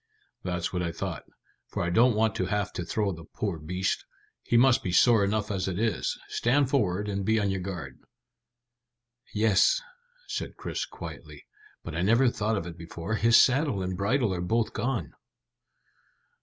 "That's what I thought, for I don't want to have to throw the poor beast; he must be sore enough as it is. Stand forward, and be on your guard." "Yes," said Chris quietly, "but I never thought of it before: his saddle and bridle are both gone."